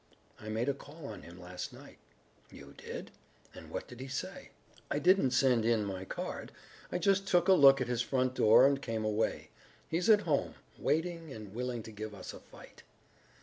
"I made a call on him last night." "You did? And what did he say?" "I didn't send in my card. I just took a look at his front door and came away. He's at home, waiting and willing to give us a fight."